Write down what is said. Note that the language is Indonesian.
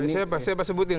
saya apa sebutin